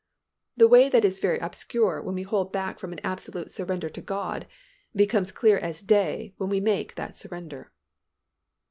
The way that is very obscure when we hold back from an absolute surrender to God becomes as clear as day when we make that surrender.